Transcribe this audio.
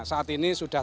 saat ini sudah